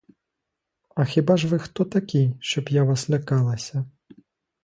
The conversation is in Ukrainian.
А хіба ж ви хто такий, щоб я вас лякалася?